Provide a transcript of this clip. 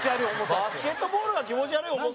バスケットボールが気持ち悪い重さ？